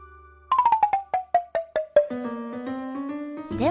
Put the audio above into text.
では